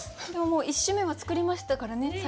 今日もう一首目は作りましたからね。